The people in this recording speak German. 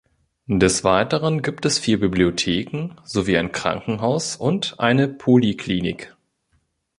Des Weiteren gibt es vier Bibliotheken, sowie ein Krankenhaus und eine Poliklinik.